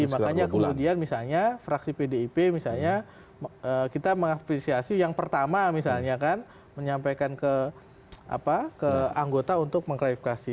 makanya kemudian misalnya fraksi pdip misalnya kita mengapresiasi yang pertama misalnya kan menyampaikan ke anggota untuk mengklarifikasi